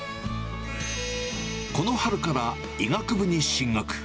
この春から医学部に進学。